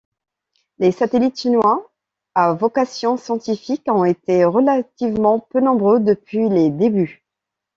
Les satellites chinois à vocation scientifique ont été relativement peu nombreux depuis les débuts.